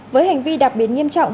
với hành vi đặc biệt nghiêm trọng